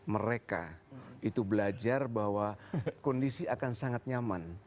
mereka itu belajar bahwa kondisi akan sangat nyaman